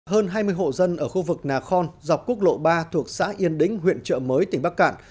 hơn hai mươi hộ dân ở khu vực nà khon dọc quốc lộ ba thuộc xã yên đĩnh huyện trợ mới tỉnh bắc cạn